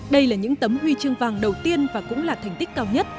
đây là những tấm huy chương vàng đầu tiên và cũng là thành tích cao nhất